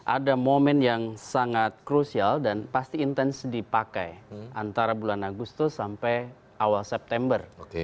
ada momen yang sangat krusial dan pasti intens dipakai antara bulan agustus sampai awal september